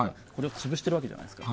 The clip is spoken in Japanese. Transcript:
潰しているわけじゃないですか。